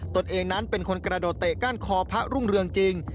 ตัวเองนั้นเป็นคนกระโดดเตะก้านคอพระรุ่งเรืองจริง